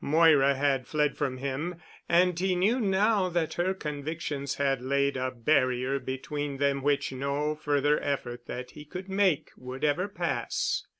Moira had fled from him and he knew now that her convictions had laid a barrier between them which no further effort that he could make would ever pass.